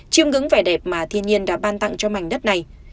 chiêm ngưỡng vẻ đẹp mà thiên nhiên đã ban tặng cho mảnh đất này